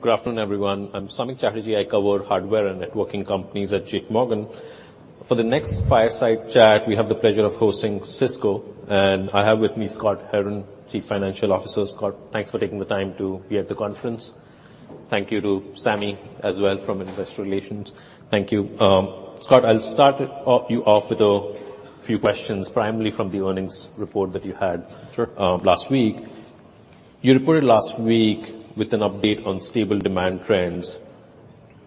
Good afternoon, everyone. I'm Samik Chatterjee. I cover hardware and networking companies at J.P. Morgan. For the next fireside chat, we have the pleasure of hosting Cisco, and I have with me Scott Herren, Chief Financial Officer. Scott, thanks for taking the time to be at the conference. Thank you to Sami as well from Investor Relations. Thank you. Scott, I'll start you off with a few questions, primarily from the earnings report that you had- Sure. Last week. You reported last week with an update on stable demand trends,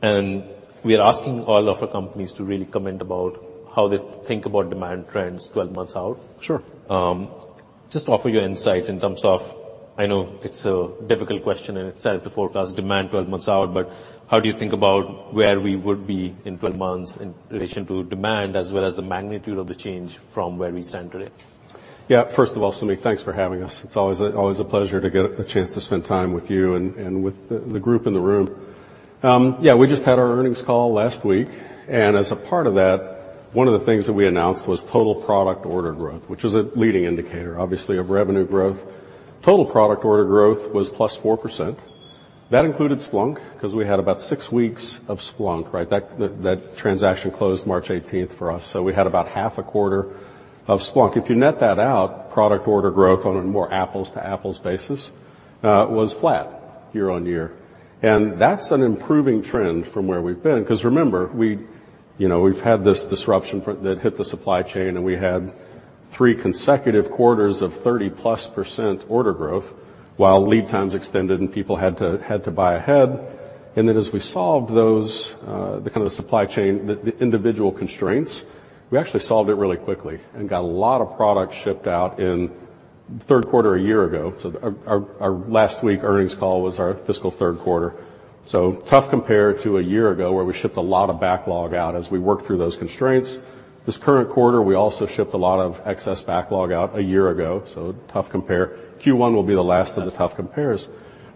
and we are asking all of our companies to really comment about how they think about demand trends 12 months out. Sure. Just offer your insights in terms of... I know it's a difficult question in itself to forecast demand 12 months out, but how do you think about where we would be in 12 months in relation to demand, as well as the magnitude of the change from where we stand today? Yeah. First of all, Samik, thanks for having us. It's always, always a pleasure to get a chance to spend time with you and, and with the, the group in the room. Yeah, we just had our earnings call last week, and as a part of that, one of the things that we announced was total product order growth, which is a leading indicator, obviously, of revenue growth. Total product order growth was plus 4%. That included Splunk, 'cause we had about six weeks of Splunk, right? That, that transaction closed March eighteenth for us, so we had about half a quarter of Splunk. If you net that out, product order growth on a more apples-to-apples basis was flat year-on-year. And that's an improving trend from where we've been, 'cause remember, You know, we've had this disruption that hit the supply chain, and we had three consecutive quarters of 30%+ order growth, while lead times extended and people had to buy ahead. And then as we solved those, the kind of supply chain, the individual constraints, we actually solved it really quickly and got a lot of products shipped out in the third quarter a year ago. So our last week earnings call was our fiscal third quarter. So tough compare to a year ago, where we shipped a lot of backlog out as we worked through those constraints. This current quarter, we also shipped a lot of excess backlog out a year ago, so tough compare. Q1 will be the last of the tough compares.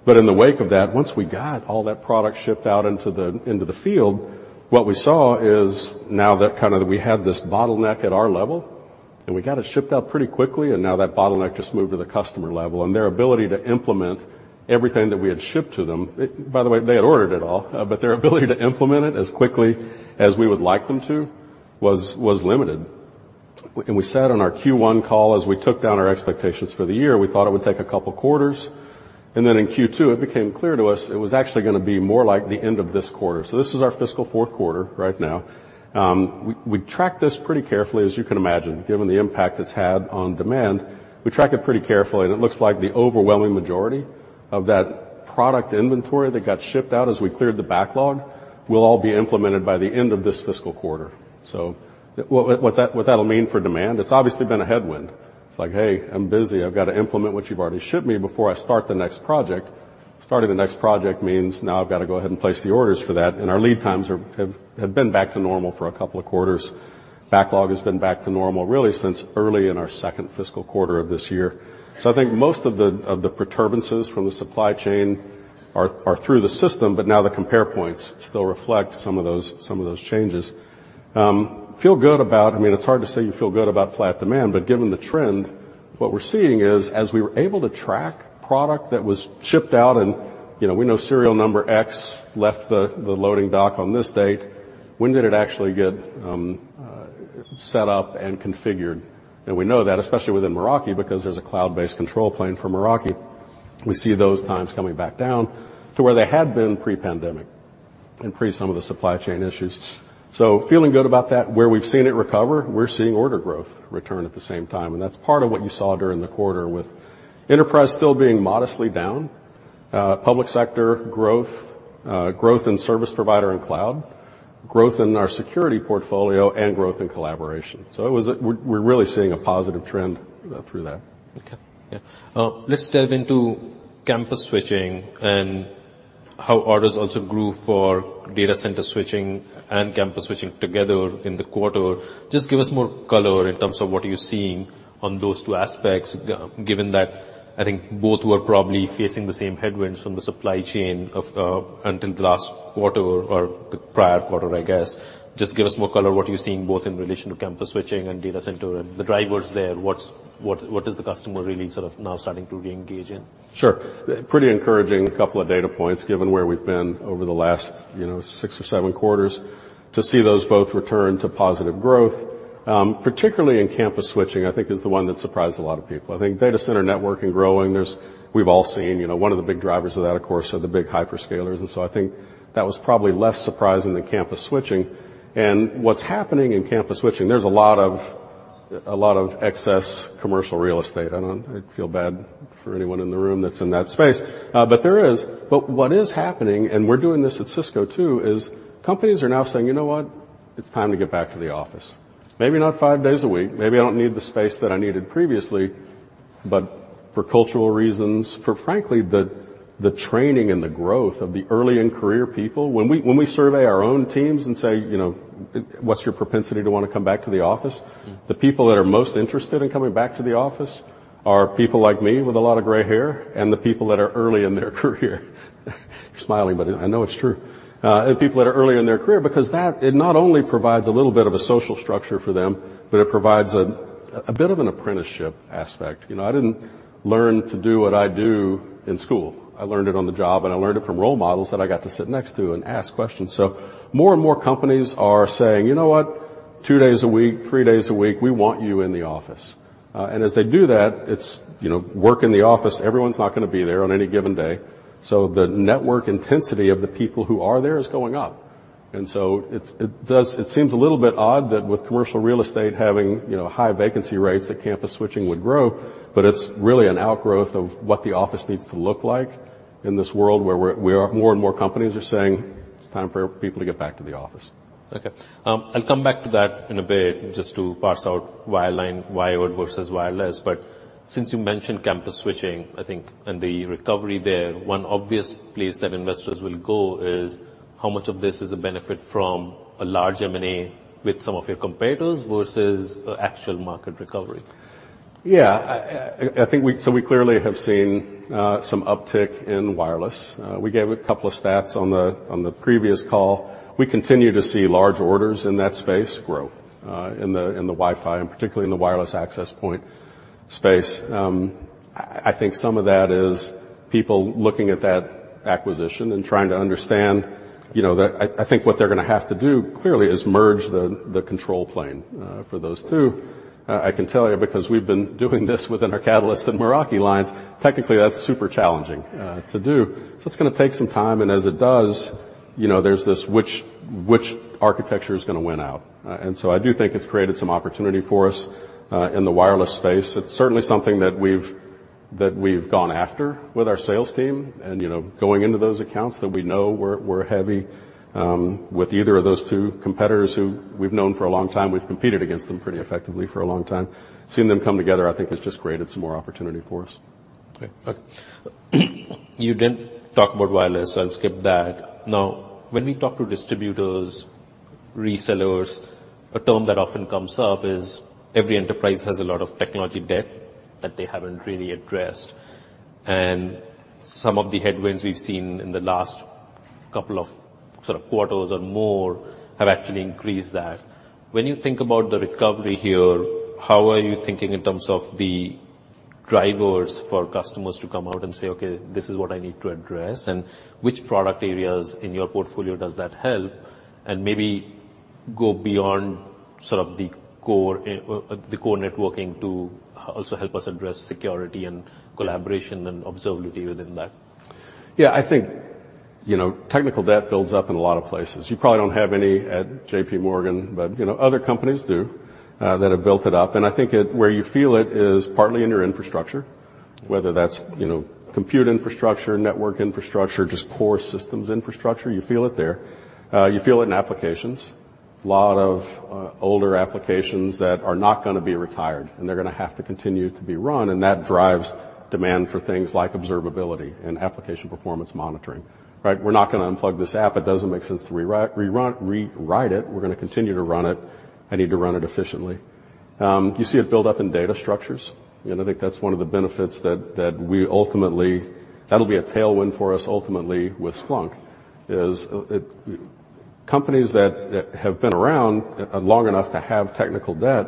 But in the wake of that, once we got all that product shipped out into the field, what we saw is now that kind of we had this bottleneck at our level, and we got it shipped out pretty quickly, and now that bottleneck just moved to the customer level. And their ability to implement everything that we had shipped to them, it. By the way, they had ordered it all, but their ability to implement it as quickly as we would like them to was limited. And we said on our Q1 call, as we took down our expectations for the year, we thought it would take a couple quarters. And then in Q2, it became clear to us it was actually gonna be more like the end of this quarter. So this is our fiscal fourth quarter right now. We tracked this pretty carefully, as you can imagine, given the impact it's had on demand. We tracked it pretty carefully, and it looks like the overwhelming majority of that product inventory that got shipped out as we cleared the backlog will all be implemented by the end of this fiscal quarter. So what that'll mean for demand, it's obviously been a headwind. It's like: "Hey, I'm busy. I've got to implement what you've already shipped me before I start the next project." Starting the next project means now I've got to go ahead and place the orders for that, and our lead times have been back to normal for a couple of quarters. Backlog has been back to normal really since early in our second fiscal quarter of this year. So I think most of the perturbances from the supply chain are through the system, but now the compare points still reflect some of those changes. Feel good about... I mean, it's hard to say you feel good about flat demand, but given the trend, what we're seeing is, as we were able to track product that was shipped out and, you know, we know serial number X left the loading dock on this date, when did it actually get set up and configured? And we know that, especially within Meraki, because there's a cloud-based control plane for Meraki. We see those times coming back down to where they had been pre-pandemic and pre some of the supply chain issues. So feeling good about that. Where we've seen it recover, we're seeing order growth return at the same time, and that's part of what you saw during the quarter with enterprise still being modestly down, public sector growth, growth in service provider and cloud, growth in our security portfolio, and growth in collaboration. We're really seeing a positive trend through that. Okay. Yeah. Let's dive into campus switching and how orders also grew for data center switching and campus switching together in the quarter. Just give us more color in terms of what you're seeing on those two aspects, given that I think both were probably facing the same headwinds from the supply chain of until the last quarter or the prior quarter, I guess. Just give us more color, what you're seeing both in relation to campus switching and data center, and the drivers there. What is the customer really sort of now starting to reengage in? Sure. Pretty encouraging couple of data points, given where we've been over the last, you know, 6 or 7 quarters. To see those both return to positive growth, particularly in campus switching, I think, is the one that surprised a lot of people. I think data center networking growing, there's, we've all seen. You know, one of the big drivers of that, of course, are the big hyperscalers, and so I think that was probably less surprising than campus switching. And what's happening in campus switching, there's a lot of, a lot of excess commercial real estate. I don't, I feel bad for anyone in the room that's in that space, but there is. But what is happening, and we're doing this at Cisco, too, is companies are now saying: "You know what? It's time to get back to the office. Maybe not 5 days a week. Maybe I don't need the space that I needed previously, but for cultural reasons, for, frankly, the training and the growth of the early-in-career people... When we survey our own teams and say, you know, "What's your propensity to wanna come back to the office?... The people that are most interested in coming back to the office are people like me with a lot of gray hair and the people that are early in their career. You're smiling, but I know it's true. And people that are early in their career, because it not only provides a little bit of a social structure for them, but it provides a bit of an apprenticeship aspect. You know, I didn't learn to do what I do in school. I learned it on the job, and I learned it from role models that I got to sit next to and ask questions. So more and more companies are saying: "You know what?... two days a week, three days a week, we want you in the office. And as they do that, it's, you know, work in the office. Everyone's not gonna be there on any given day, so the network intensity of the people who are there is going up. And so it does seem a little bit odd that with commercial real estate having, you know, high vacancy rates, that campus switching would grow, but it's really an outgrowth of what the office needs to look like in this world, where more and more companies are saying it's time for people to get back to the office. Okay. I'll come back to that in a bit, just to parse out wireline, wired versus wireless. But since you mentioned campus switching, I think, and the recovery there, one obvious place that investors will go is: how much of this is a benefit from a large M&A with some of your competitors versus, actual market recovery? Yeah. I think, so we clearly have seen some uptick in wireless. We gave a couple of stats on the previous call. We continue to see large orders in that space grow in the Wi-Fi, and particularly in the wireless access point space. I think some of that is people looking at that acquisition and trying to understand, you know, the... I think what they're gonna have to do, clearly, is merge the control plane for those two. I can tell you because we've been doing this within our Catalyst and Meraki lines, technically, that's super challenging to do. So it's gonna take some time, and as it does, you know, there's this, which architecture is gonna win out? and so I do think it's created some opportunity for us in the wireless space. It's certainly something that we've gone after with our sales team and, you know, going into those accounts that we know were heavy with either of those two competitors who we've known for a long time. We've competed against them pretty effectively for a long time. Seeing them come together, I think, has just created some more opportunity for us. Okay, you didn't talk about wireless, so I'll skip that. Now, when we talk to distributors, resellers, a term that often comes up is every enterprise has a lot of technical debt that they haven't really addressed, and some of the headwinds we've seen in the last couple of sort of quarters or more have actually increased that. When you think about the recovery here, how are you thinking in terms of the drivers for customers to come out and say: "Okay, this is what I need to address," and which product areas in your portfolio does that help? And maybe go beyond sort of the core, the core networking to also help us address security and collaboration and observability within that. Yeah, I think, you know, technical debt builds up in a lot of places. You probably don't have any at J.P. Morgan, but, you know, other companies do that have built it up, and I think where you feel it is partly in your infrastructure, whether that's, you know, compute infrastructure, network infrastructure, just core systems infrastructure, you feel it there. You feel it in applications. A lot of older applications that are not gonna be retired, and they're gonna have to continue to be run, and that drives demand for things like observability and application performance monitoring, right? We're not gonna unplug this app. It doesn't make sense to rewrite it. We're gonna continue to run it. I need to run it efficiently. You see it build up in data structures, and I think that's one of the benefits that we ultimately... That'll be a tailwind for us ultimately with Splunk, is it—companies that have been around long enough to have technical debt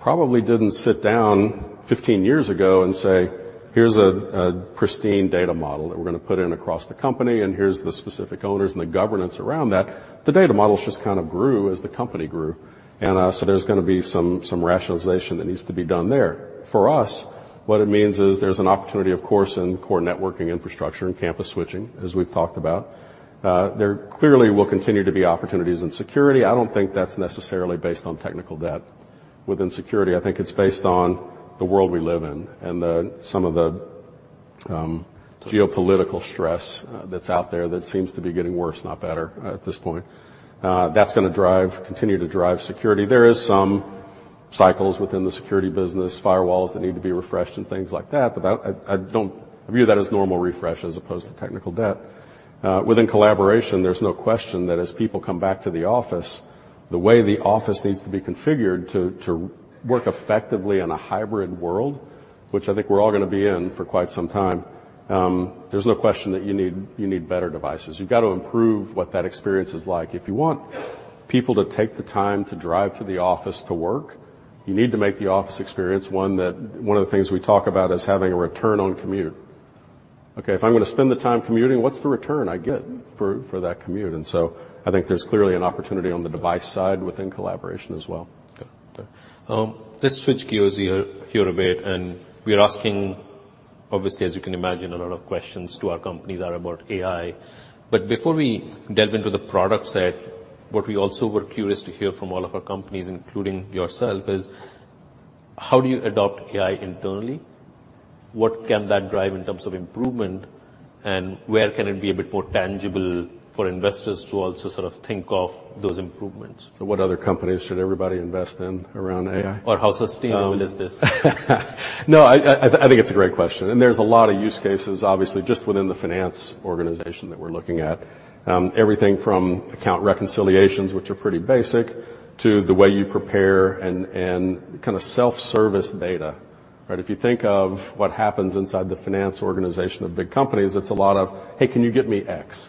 probably didn't sit down 15 years ago and say: "Here's a pristine data model that we're gonna put in across the company, and here's the specific owners and the governance around that." The data models just kind of grew as the company grew, and so there's gonna be some rationalization that needs to be done there. For us, what it means is there's an opportunity, of course, in core networking infrastructure and campus switching, as we've talked about. There clearly will continue to be opportunities in security. I don't think that's necessarily based on technical debt within security. I think it's based on the world we live in and some of the geopolitical stress that's out there that seems to be getting worse, not better, at this point. That's gonna drive, continue to drive security. There is some cycles within the security business, firewalls that need to be refreshed and things like that, but I don't view that as normal refresh as opposed to technical debt. Within collaboration, there's no question that as people come back to the office, the way the office needs to be configured to work effectively in a hybrid world, which I think we're all gonna be in for quite some time, there's no question that you need better devices. You've got to improve what that experience is like. If you want people to take the time to drive to the office to work, you need to make the office experience one that... One of the things we talk about is having a return on commute. Okay, if I'm gonna spend the time commuting, what's the return I get for that commute? And so I think there's clearly an opportunity on the device side within collaboration as well. Okay, let's switch gears here a bit, and we are asking, obviously, as you can imagine, a lot of questions to our companies are about AI. But before we delve into the product set, what we also were curious to hear from all of our companies, including yourself, is: How do you adopt AI internally? What can that drive in terms of improvement, and where can it be a bit more tangible for investors to also sort of think of those improvements? What other companies should everybody invest in around AI? Or how sustainable is this? No, I think it's a great question, and there's a lot of use cases, obviously, just within the finance organization that we're looking at. Everything from account reconciliations, which are pretty basic, to the way you prepare and kinda self-service data, right? If you think of what happens inside the finance organization of big companies, it's a lot of, "Hey, can you get me X?"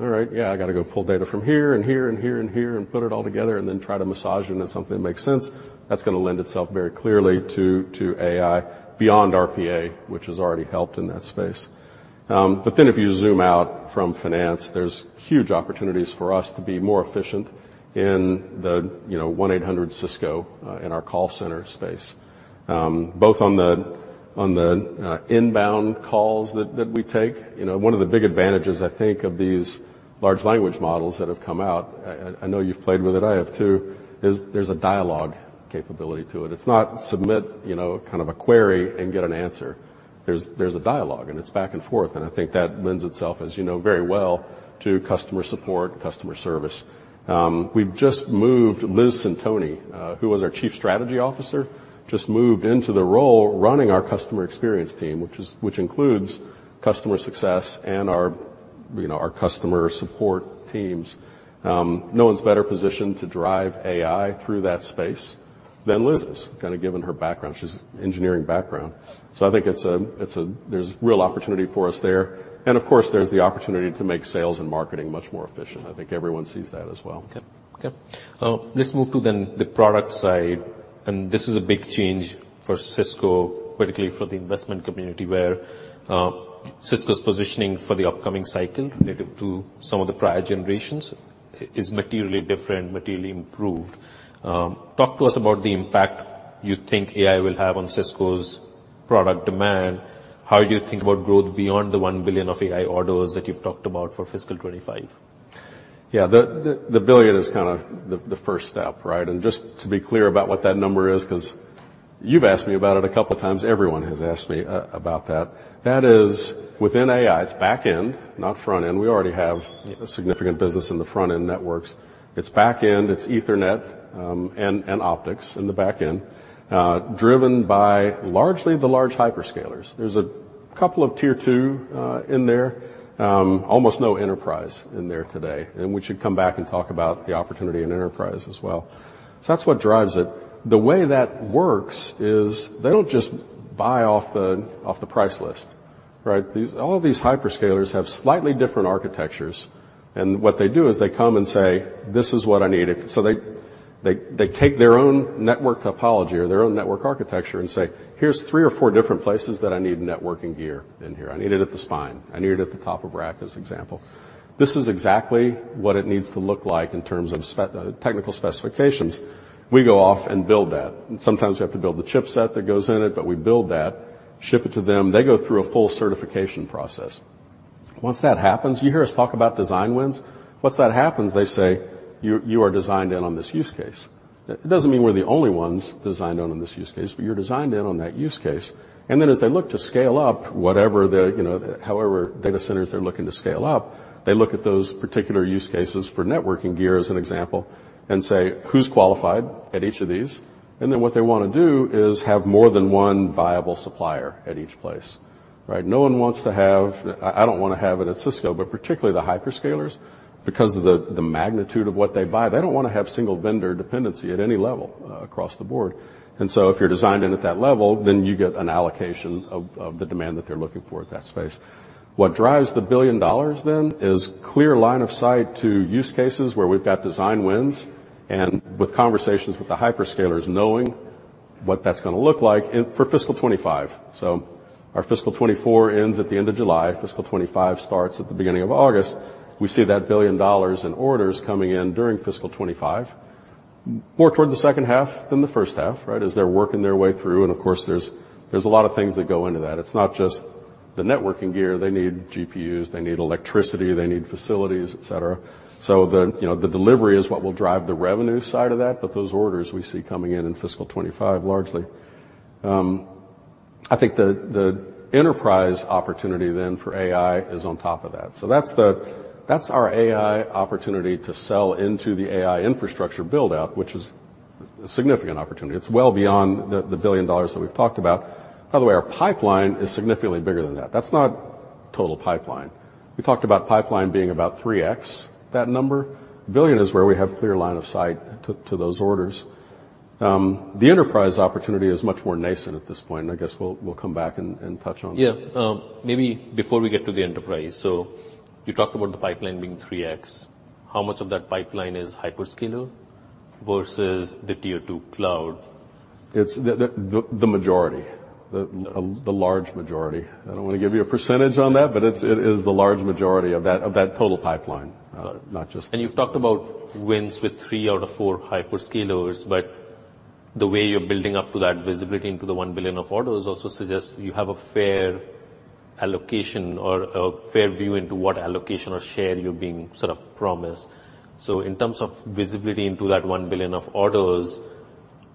All right, yeah, I gotta go pull data from here and here and here and here, and put it all together, and then try to massage it into something that makes sense. That's gonna lend itself very clearly to AI beyond RPA, which has already helped in that space. But then if you zoom out from finance, there's huge opportunities for us to be more efficient in the, you know, 1-800 Cisco, in our call center space, both on the inbound calls that we take. You know, one of the big advantages, I think, of these large language models that have come out, I know you've played with it, I have, too, is there's a dialogue capability to it. It's not submit, you know, kind of a query and get an answer. There's a dialogue, and it's back and forth, and I think that lends itself, as you know very well, to customer support, customer service. We've just moved Liz Centoni, who was our Chief Strategy Officer, just moved into the role running our customer experience team, which includes customer success and our, you know, our customer support teams. No one's better positioned to drive AI through that space than Liz is, kind of, given her background. She has engineering background. So I think it's a-- there's real opportunity for us there. And, of course, there's the opportunity to make sales and marketing much more efficient. I think everyone sees that as well. Okay. Okay. Let's move to then the product side, and this is a big change for Cisco, particularly for the investment community, where, Cisco's positioning for the upcoming cycle, relative to some of the prior generations, is materially different, materially improved. Talk to us about the impact you think AI will have on Cisco's product demand. How do you think about growth beyond the $1 billion of AI orders that you've talked about for fiscal 2025? Yeah. The billion is kind of the first step, right? And just to be clear about what that number is, 'cause you've asked me about it a couple times, everyone has asked me about that. That is within AI, it's back end, not front end. We already have- Yeah... a significant business in the front-end networks. It's back end, it's Ethernet, and optics in the back end, driven by largely the large hyperscalers. There's a couple of tier two in there, almost no enterprise in there today, and we should come back and talk about the opportunity in enterprise as well. So that's what drives it. The way that works is they don't just buy off the price list, right? These all of these hyperscalers have slightly different architectures, and what they do is they come and say, "This is what I need." So they take their own network topology or their own network architecture and say, "Here's three or four different places that I need networking gear in here. I need it at the spine. I need it at the top of rack," as example. This is exactly what it needs to look like in terms of specifications. We go off and build that. Sometimes we have to build the chipset that goes in it, but we build that, ship it to them. They go through a full certification process. Once that happens, you hear us talk about design wins. Once that happens, they say, "You are designed in on this use case." It doesn't mean we're the only ones designed in on this use case, but you're designed in on that use case. And then, as they look to scale up whatever, you know... However, data centers they're looking to scale up, they look at those particular use cases for networking gear, as an example, and say, "Who's qualified at each of these?" And then what they wanna do is have more than one viable supplier at each place, right? No one wants to have—I, I don't wanna have it at Cisco, but particularly the hyperscalers, because of the, the magnitude of what they buy, they don't wanna have single vendor dependency at any level, across the board. And so if you're designed in at that level, then you get an allocation of, of the demand that they're looking for at that space. What drives the $1 billion then is clear line of sight to use cases where we've got design wins, and with conversations with the hyperscalers, knowing what that's gonna look like in for fiscal 2025. So our fiscal 2024 ends at the end of July. Fiscal 2025 starts at the beginning of August. We see that $1 billion in orders coming in during fiscal 2025, more toward the second half than the first half, right? As they're working their way through, and of course, there's a lot of things that go into that. It's not just the networking gear. They need GPUs, they need electricity, they need facilities, et cetera. So the, you know, the delivery is what will drive the revenue side of that, but those orders we see coming in in fiscal 2025, largely. I think the enterprise opportunity then for AI is on top of that. So that's the- that's our AI opportunity to sell into the AI infrastructure build-out, which is a significant opportunity. It's well beyond the $1 billion that we've talked about. By the way, our pipeline is significantly bigger than that. That's not total pipeline. We talked about pipeline being about 3x that number. $1 billion is where we have clear line of sight to those orders. The enterprise opportunity is much more nascent at this point, and I guess we'll come back and touch on that. Yeah. Maybe before we get to the enterprise, so you talked about the pipeline being 3x. How much of that pipeline is hyperscaler versus the tier two cloud? It's the majority. Yeah... the large majority. I don't want to give you a percentage on that, but it's, it is the large majority of that, of that total pipeline- Got it... not just- You've talked about wins with three out of four hyperscalers, but the way you're building up to that visibility into the $1 billion of orders also suggests you have a fair allocation or a fair view into what allocation or share you're being sort of promised. In terms of visibility into that $1 billion of orders,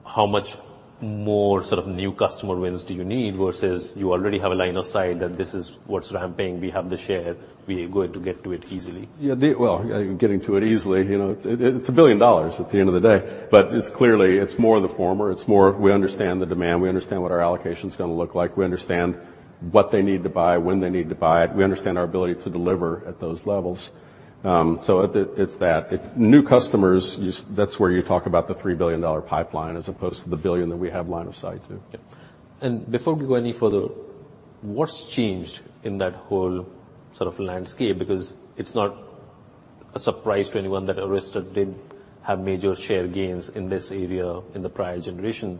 how much more sort of new customer wins do you need, versus you already have a line of sight that this is what's ramping, we have the share, we're going to get to it easily? Yeah, well, getting to it easily, you know, it, it's $1 billion at the end of the day, but it's clearly, it's more the former, it's more we understand the demand, we understand what our allocation's gonna look like, we understand what they need to buy, when they need to buy it. We understand our ability to deliver at those levels. So it, it, it's that. If new customers, that's where you talk about the $3 billion pipeline, as opposed to the $1 billion that we have line of sight to. Yeah. Before we go any further, what's changed in that whole sort of landscape? Because it's not a surprise to anyone that Arista did have major share gains in this area in the prior generation.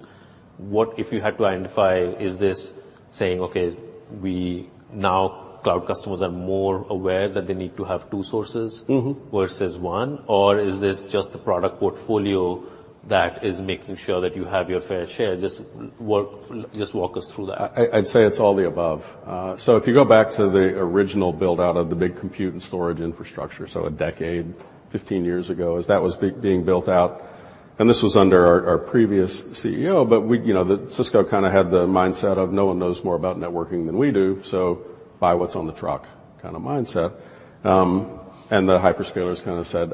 What if you had to identify, is this saying, "Okay, we now, cloud customers are more aware that they need to have two sources -versus one? Or is this just the product portfolio that is making sure that you have your fair share? Just walk, just walk us through that. I'd say it's all the above. So if you go back to the original build-out of the big compute and storage infrastructure, so 10, 15 years ago, as that was being built out, and this was under our previous CEO, but we, you know, the Cisco kind of had the mindset of, "No one knows more about networking than we do, so buy what's on the truck" kind of mindset. And the hyperscalers kind of said,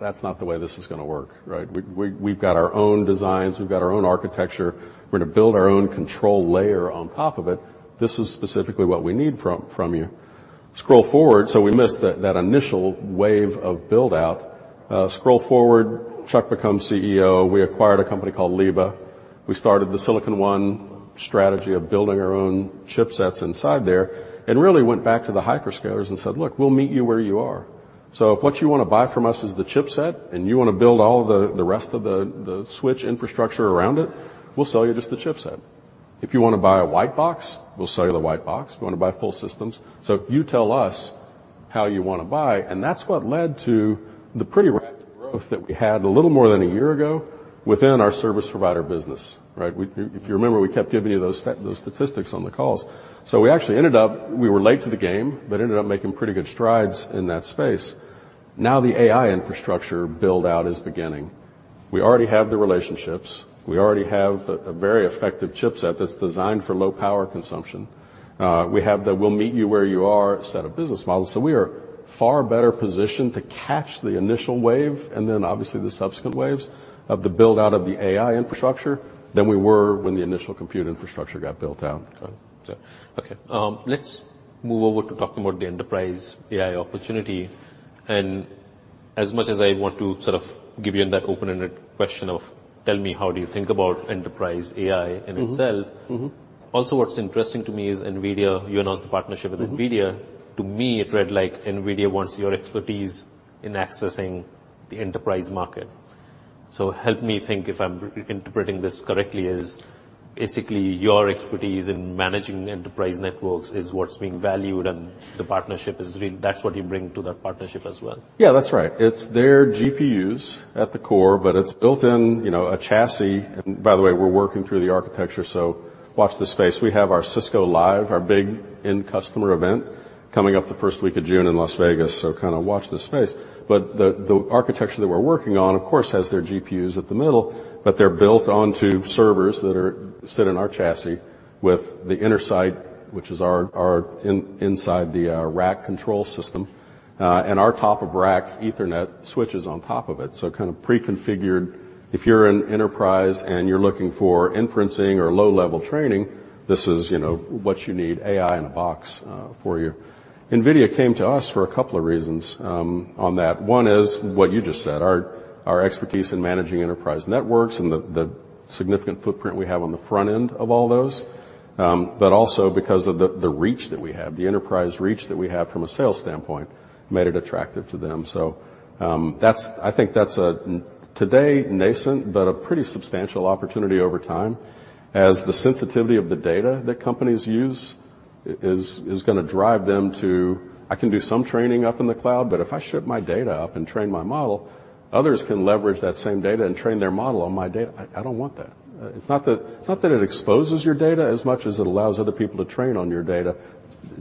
"That's not the way this is gonna work," right? "We've got our own designs. We've got our own architecture. We're gonna build our own control layer on top of it. This is specifically what we need from you." Scroll forward, so we missed that initial wave of build-out. Scroll forward, Chuck becomes CEO. We acquired a company called Leaba. We started the Silicon One strategy of building our own chipsets inside there, and really went back to the hyperscalers and said: Look, we'll meet you where you are. So if what you wanna buy from us is the chipset, and you want to build all the rest of the switch infrastructure around it, we'll sell you just the chipset. If you want to buy a white box, we'll sell you the white box. If you want to buy full systems... So you tell us how you want to buy, and that's what led to the pretty rapid growth that we had a little more than a year ago within our service provider business, right? If you remember, we kept giving you those statistics on the calls. We actually ended up, we were late to the game, but ended up making pretty good strides in that space. Now, the AI infrastructure build-out is beginning. We already have the relationships. We already have a very effective chipset that's designed for low-power consumption. We have the we'll-meet-you-where-you-are set of business models, so we are far better positioned to catch the initial wave, and then obviously, the subsequent waves of the build-out of the AI infrastructure than we were when the initial compute infrastructure got built out. Got it. So, okay, let's move over to talking about the enterprise AI opportunity. And as much as I want to sort of give you in that open-ended question of, Tell me, how do you think about enterprise AI in itself? Also, what's interesting to me is NVIDIA, you announced a partnership with NVIDIA. To me, it read like NVIDIA wants your expertise in accessing the enterprise market. So help me think if I'm interpreting this correctly. Basically, your expertise in managing the enterprise networks is what's being valued, and the partnership, that's what you bring to the partnership as well. Yeah, that's right. It's their GPUs at the core, but it's built in, you know, a chassis. And by the way, we're working through the architecture, so watch this space. We have our Cisco Live, our big end customer event, coming up the first week of June in Las Vegas, so kind of watch this space. But the architecture that we're working on, of course, has their GPUs at the middle, but they're built onto servers that sit in our chassis with the Intersight, which is our inside the rack control system, and our top-of-rack Ethernet switches on top of it, so kind of preconfigured. If you're an enterprise, and you're looking for inferencing or low-level training, this is, you know, what you need, AI in a box, for you. NVIDIA came to us for a couple of reasons, on that. One is what you just said, our expertise in managing enterprise networks and the significant footprint we have on the front end of all those. But also because of the reach that we have, the enterprise reach that we have from a sales standpoint made it attractive to them. So, that's. I think that's a today nascent, but a pretty substantial opportunity over time, as the sensitivity of the data that companies use is gonna drive them to, "I can do some training up in the cloud, but if I ship my data up and train my model, others can leverage that same data and train their model on my data. I don't want that." It's not that, it's not that it exposes your data as much as it allows other people to train on your data.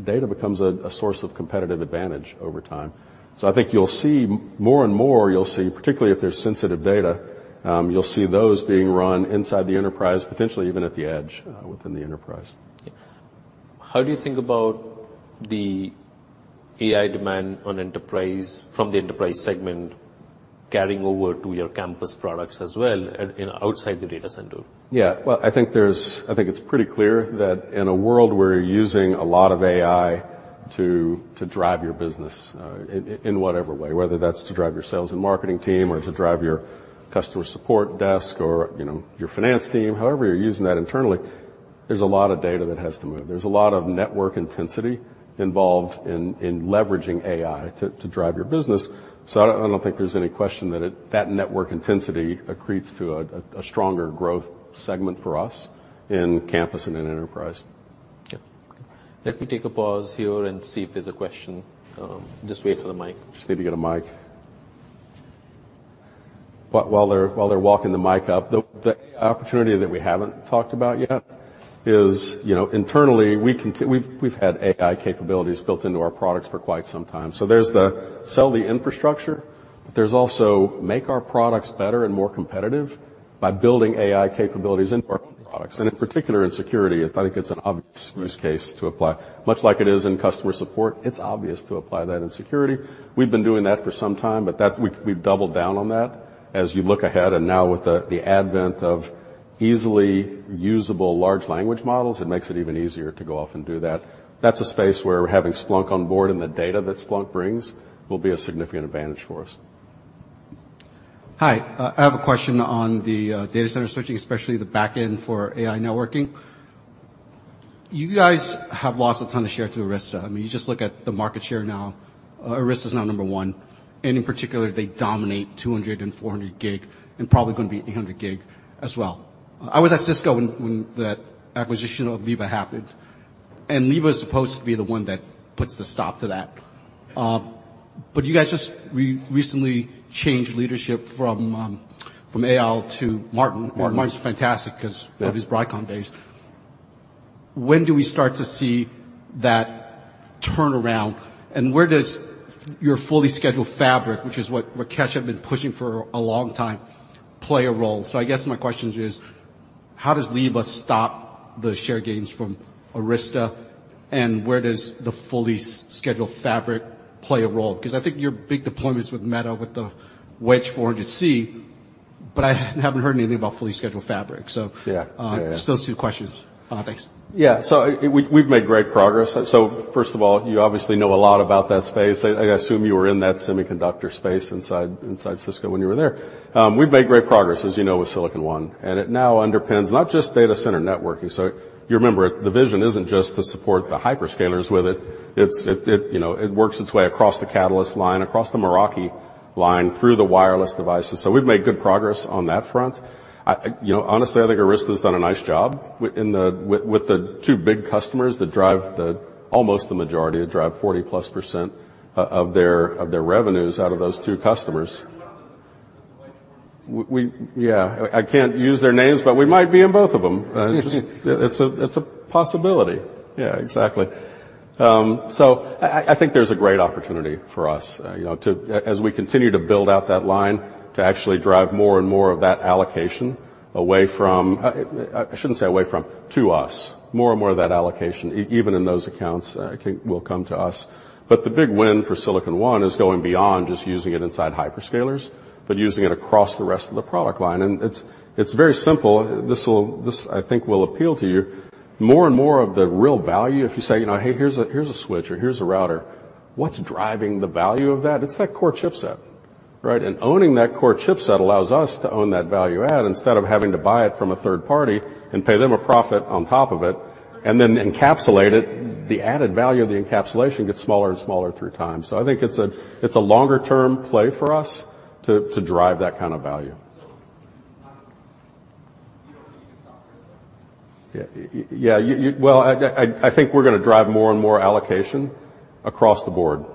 Data becomes a source of competitive advantage over time. So I think you'll see more and more, you'll see, particularly if there's sensitive data, you'll see those being run inside the enterprise, potentially even at the edge, within the enterprise. How do you think about the AI demand on enterprise from the enterprise segment carrying over to your campus products as well and, you know, outside the data center? Yeah. Well, I think there's—I think it's pretty clear that in a world where you're using a lot of AI to drive your business in whatever way, whether that's to drive your sales and marketing team or to drive your customer support desk or, you know, your finance team, however you're using that internally, there's a lot of data that has to move. There's a lot of network intensity involved in leveraging AI to drive your business. So I don't think there's any question that network intensity accretes to a stronger growth segment for us in campus and in enterprise. Yeah. Let me take a pause here and see if there's a question. Just wait for the mic. Just need to get a mic. But while they're walking the mic up, the opportunity that we haven't talked about yet is, you know, internally, we continue. We've had AI capabilities built into our products for quite some time. So there's to sell the infrastructure, but there's also to make our products better and more competitive by building AI capabilities into our products, and in particular, in security. I think it's an obvious use case to apply. Much like it is in customer support, it's obvious to apply that in security. We've been doing that for some time, but we've doubled down on that as you look ahead, and now with the advent of easily usable large language models, it makes it even easier to go off and do that. That's a space where having Splunk on board and the data that Splunk brings will be a significant advantage for us.... Hi, I have a question on the data center switching, especially the back end for AI networking. You guys have lost a ton of share to Arista. I mean, you just look at the market share now, Arista is now number one, and in particular, they dominate 200 and 400 gig, and probably gonna be 800 gig as well. I was at Cisco when that acquisition of Leaba happened, and Leaba was supposed to be the one that puts the stop to that. But you guys just recently changed leadership from Eyal to Martin. Martin's fantastic because- Of his Broadcom days. When do we start to see that turnaround, and where does your fully scheduled fabric, which is what Rakesh have been pushing for a long time, play a role? So I guess my question is, how does Leaba stop the share gains from Arista, and where does the fully scheduled fabric play a role? Because I think your big deployments with Meta, with the Wedge 400C, but I haven't heard anything about fully scheduled fabric. So- Still two questions. Thanks. Yeah. So we've made great progress. So first of all, you obviously know a lot about that space. I assume you were in that semiconductor space inside Cisco when you were there. We've made great progress, as you know, with Silicon One, and it now underpins not just data center networking. So you remember, the vision isn't just to support the hyperscalers with it, it's, you know, it works its way across the Catalyst line, across the Meraki line, through the wireless devices. So we've made good progress on that front. You know, honestly, I think Arista has done a nice job with the two big customers that drive almost the majority that drive 40%+ of their revenues out of those two customers. Yeah, I can't use their names, but we might be in both of them. It's a possibility. Yeah, exactly. So I think there's a great opportunity for us, you know, to as we continue to build out that line, to actually drive more and more of that allocation away from, I shouldn't say away from, to us. More and more of that allocation, even in those accounts, I think will come to us. But the big win for Silicon One is going beyond just using it inside hyperscalers, but using it across the rest of the product line. And it's very simple. This will. This, I think, will appeal to you. More and more of the real value, if you say, you know, "Hey, here's a switch or here's a router," what's driving the value of that? It's that core chipset, right? And owning that core chipset allows us to own that value-add, instead of having to buy it from a third party and pay them a profit on top of it, and then encapsulate it, the added value of the encapsulation gets smaller and smaller through time. So I think it's a longer term play for us to drive that kind of value. Yeah. Well, I think we're going to drive more and more allocation across the board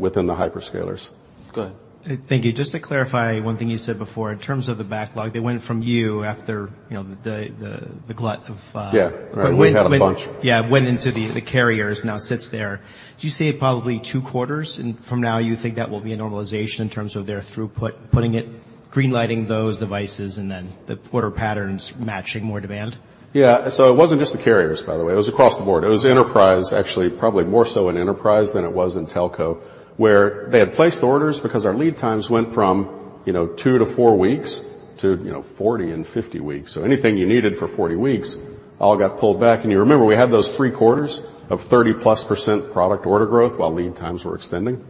within the hyperscalers. Go ahead. Thank you. Just to clarify one thing you said before, in terms of the backlog, they went from you after, you know, the glut of... Yeah. Right. We had a bunch. Yeah. Went into the, the carriers, now sits there. Do you say probably two quarters, and from now, you think that will be a normalization in terms of their throughput, putting it, green-lighting those devices, and then the order patterns matching more demand? Yeah. So it wasn't just the carriers, by the way. It was across the board. It was enterprise, actually, probably more so in enterprise than it was in telco, where they had placed orders because our lead times went from, you know, 2-4 weeks to, you know, 40 and 50 weeks. So anything you needed for 40 weeks all got pulled back. And you remember, we had those three quarters of 30%+ product order growth while lead times were extending,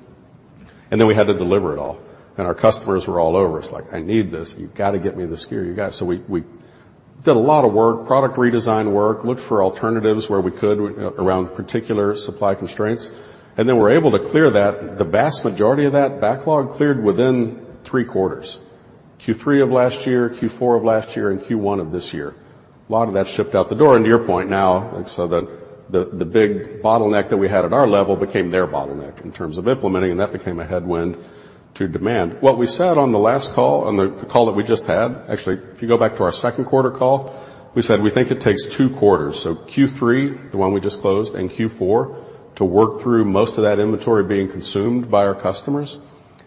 and then we had to deliver it all, and our customers were all over us, like: "I need this. You've got to get me this gear. You got..." So we did a lot of work, product redesign work, looked for alternatives where we could work around particular supply constraints, and then we're able to clear that. The vast majority of that backlog cleared within three quarters: Q3 of last year, Q4 of last year, and Q1 of this year. A lot of that shipped out the door. And to your point now, so the big bottleneck that we had at our level became their bottleneck in terms of implementing, and that became a headwind to demand. What we said on the last call, on the call that we just had. Actually, if you go back to our second quarter call, we said we think it takes two quarters, so Q3, the one we just closed, and Q4, to work through most of that inventory being consumed by our customers.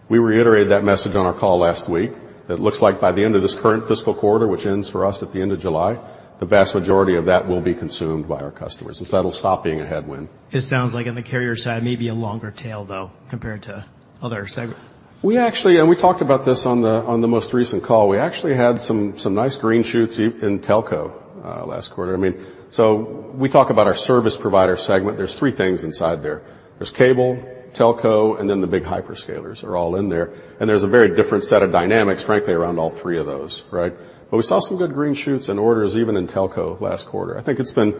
We reiterated that message on our call last week. It looks like by the end of this current fiscal quarter, which ends for us at the end of July, the vast majority of that will be consumed by our customers, and so that'll stop being a headwind. It sounds like on the carrier side, maybe a longer tail, though, compared to other segments. We actually talked about this on the most recent call. We actually had some nice green shoots in telco last quarter. I mean, so we talk about our service provider segment, there's three things inside there: There's cable, telco, and then the big hyperscalers are all in there, and there's a very different set of dynamics, frankly, around all three of those, right? But we saw some good green shoots and orders even in telco last quarter. I think it's been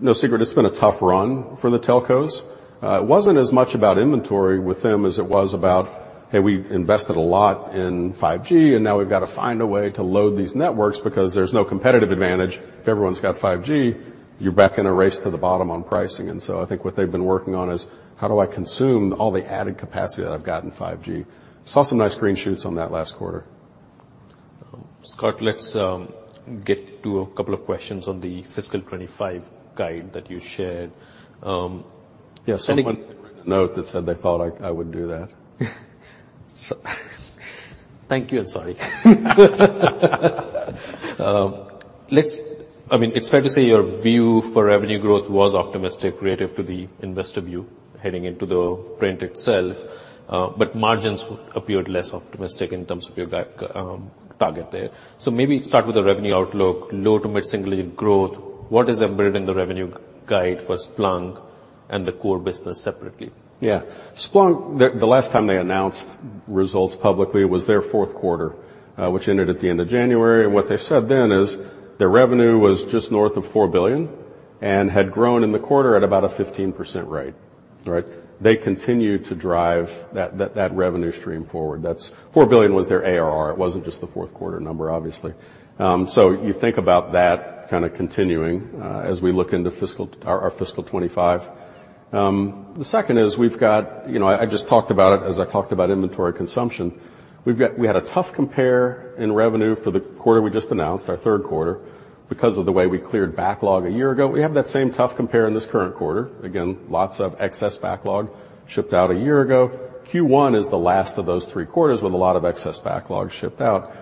no secret, it's been a tough run for the telcos. It wasn't as much about inventory with them as it was about, "Hey, we invested a lot in 5G, and now we've got to find a way to load these networks because there's no competitive advantage. If everyone's got 5G, you're back in a race to the bottom on pricing." And so I think what they've been working on is, how do I consume all the added capacity that I've got in 5G? Saw some nice green shoots on that last quarter. Scott, let's get to a couple of questions on the fiscal 25 guide that you shared. Yeah- Someone wrote a note that said they thought I would do that. Thank you, and sorry. I mean, it's fair to say your view for revenue growth was optimistic relative to the investor view heading into the print itself, but margins appeared less optimistic in terms of your back target there. So maybe start with the revenue outlook, low to mid-single unit growth. What is embedded in the revenue guide for Splunk?... and the core business separately? Yeah. Splunk, the last time they announced results publicly was their fourth quarter, which ended at the end of January, and what they said then is their revenue was just north of $4 billion and had grown in the quarter at about a 15% rate, all right? They continued to drive that revenue stream forward. That's $4 billion was their ARR, it wasn't just the fourth quarter number, obviously. So you think about that kind of continuing as we look into fiscal our fiscal 2025. The second is we've got, you know, I just talked about it as I talked about inventory consumption. We've got we had a tough compare in revenue for the quarter we just announced, our third quarter, because of the way we cleared backlog a year ago. We have that same tough compare in this current quarter. Again, lots of excess backlog shipped out a year ago. Q1 is the last of those three quarters with a lot of excess backlog shipped out.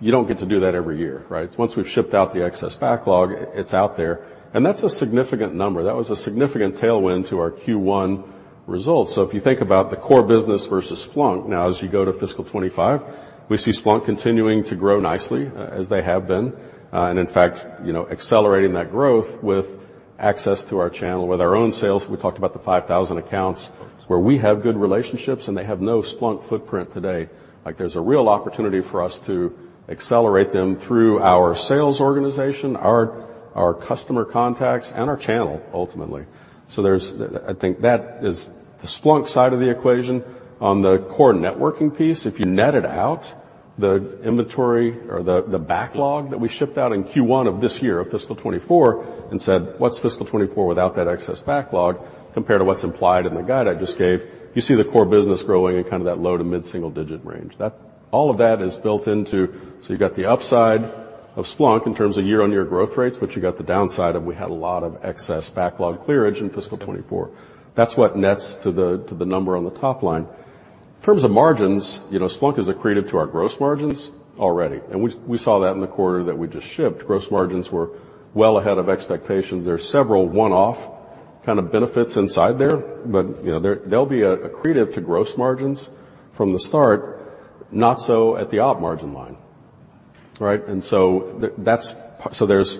You don't get to do that every year, right? Once we've shipped out the excess backlog, it's out there, and that's a significant number. That was a significant tailwind to our Q1 results. So if you think about the core business versus Splunk, now as you go to fiscal 2025, we see Splunk continuing to grow nicely, as they have been, and in fact, you know, accelerating that growth with access to our channel, with our own sales. We talked about the 5,000 accounts where we have good relationships, and they have no Splunk footprint today. Like, there's a real opportunity for us to accelerate them through our sales organization, our customer contacts, and our channel, ultimately. So, there's—I think that is the Splunk side of the equation. On the core networking piece, if you net it out, the inventory or the backlog that we shipped out in Q1 of this year, of fiscal 2024, and said, "What's fiscal 2024 without that excess backlog compared to what's implied in the guide I just gave?" You see the core business growing in kind of that low to mid-single digit range. That. All of that is built into... So you've got the upside of Splunk in terms of year-on-year growth rates, but you got the downside, and we had a lot of excess backlog clearage in fiscal 2024. That's what nets to the number on the top line. In terms of margins, you know, Splunk is accretive to our gross margins already, and we, we saw that in the quarter that we just shipped. Gross margins were well ahead of expectations. There are several one-off kind of benefits inside there, but, you know, they're, they'll be accretive to gross margins from the start, not so at the op margin line, right? And so that's. So there's,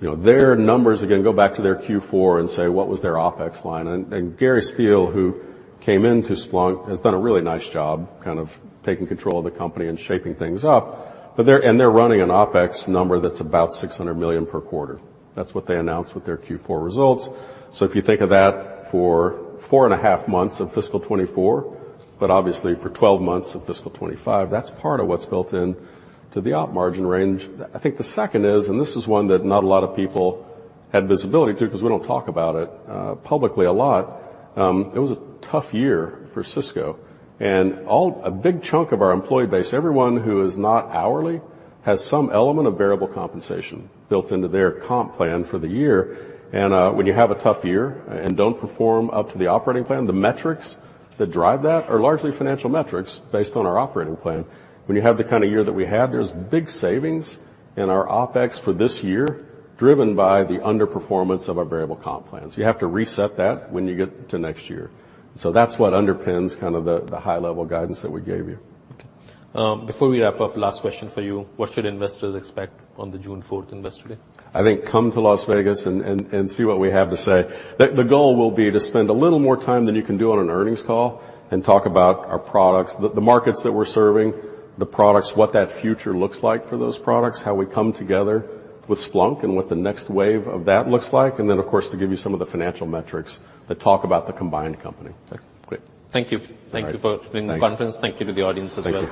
you know, their numbers, again, go back to their Q4 and say, "What was their OpEx line?" And, and Gary Steele, who came into Splunk, has done a really nice job kind of taking control of the company and shaping things up. But they're and they're running an OpEx number that's about $600 million per quarter. That's what they announced with their Q4 results. So if you think of that for 4.5 months of fiscal 2024, but obviously for 12 months of fiscal 2025, that's part of what's built in to the op margin range. I think the second is, and this is one that not a lot of people had visibility to, 'cause we don't talk about it publicly a lot. It was a tough year for Cisco, and all... A big chunk of our employee base, everyone who is not hourly, has some element of variable compensation built into their comp plan for the year. When you have a tough year and don't perform up to the operating plan, the metrics that drive that are largely financial metrics based on our operating plan. When you have the kind of year that we had, there's big savings in our OpEx for this year, driven by the underperformance of our variable comp plans. You have to reset that when you get to next year. So that's what underpins kind of the high-level guidance that we gave you. Before we wrap up, last question for you. What should investors expect on the June fourth Investor Day? I think, come to Las Vegas and see what we have to say. The goal will be to spend a little more time than you can do on an earnings call and talk about our products, the markets that we're serving, the products, what that future looks like for those products, how we come together with Splunk, and what the next wave of that looks like, and then, of course, to give you some of the financial metrics that talk about the combined company. Great. Thank you. All right. Thank you for doing the conference. Thanks. Thank you to the audience as well.